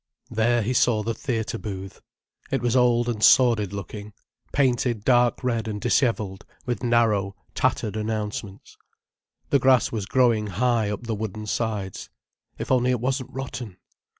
There he saw the theatre booth. It was old and sordid looking, painted dark red and dishevelled with narrow, tattered announcements. The grass was growing high up the wooden sides. If only it wasn't rotten?